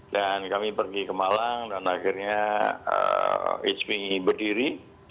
dan kami pergi ke malang dan akhirnya ismi berdiri